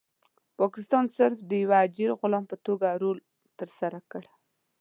پاکستان صرف د یو اجیر غلام په توګه رول ترسره کړ.